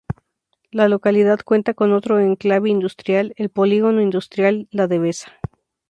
La localidad cuenta con otro enclave industrial, el Polígono Industrial La Devesa.